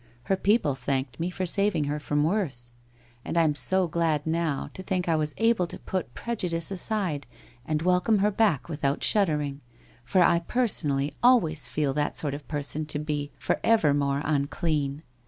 Her people thanked me for saving her from worse. And I am so glad now to think I was able to put prejudice aside and welcome her back without shuddering, for I personally always feel that sort of person to be for evermore unclean.